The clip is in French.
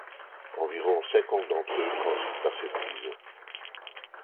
Environ cinquante d'entre eux transitent par cette prison.